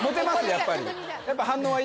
やっぱり。